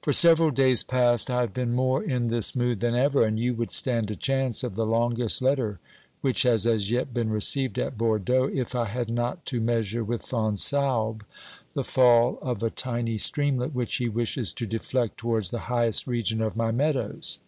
For several days past I have been more in this mood than ever, and you would stand a chance of the longest letter which has as yet been received at Bordeaux, if 1 had not to measure with Fonsalbe the fall of a tiny streamlet which he wishes to deflect towards the highest region of my meadows.